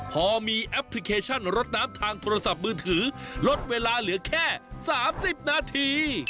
พอมีแอปพลิเคชันรถน้ำทางโทรศัพท์มือถือลดเวลาเหลือแค่๓๐นาที